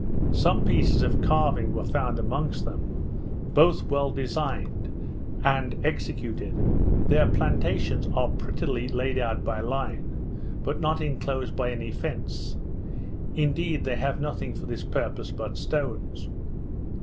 Some pieces of carving were found amongst them, both well designed and executed. Their plantations are prettily laid out by line, but not inclosed by any fence; indeed they have nothing for this purpose but stones.